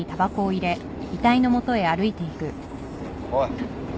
おい。